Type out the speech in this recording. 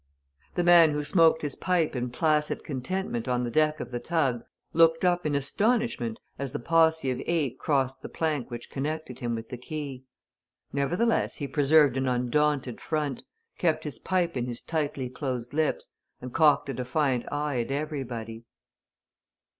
The man who smoked his pipe in placid contentment on the deck of the tug looked up in astonishment as the posse of eight crossed the plank which connected him with the quay. Nevertheless he preserved an undaunted front, kept his pipe in his tightly closed lips, and cocked a defiant eye at everybody.